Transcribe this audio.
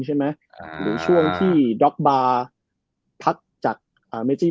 หรือช่วงที่ดร็อกบาร์พักจากเบคแคม